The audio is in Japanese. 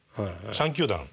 ３球団。